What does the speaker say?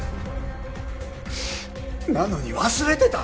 なのに忘れてた？